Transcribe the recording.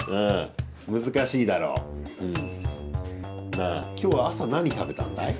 なあ今日は朝何食べたんだい？